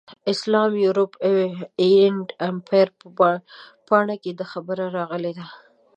اسلام، یورپ اینډ امپایر په پاڼه کې دا خبره راغلې ده.